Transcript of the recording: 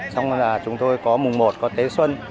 xong rồi là chúng tôi có mùng một có tết xuân